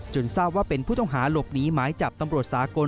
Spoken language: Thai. ทราบว่าเป็นผู้ต้องหาหลบหนีหมายจับตำรวจสากล